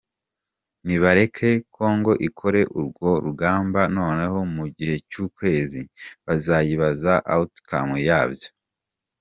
Ni bareke congo ikore urwo rugamba noneho mu gihe cyukwezi bazayibaze outcome yabyo.